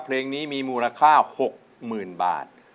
เพลงนี้มีมูลค่า๖๐๐๐บาท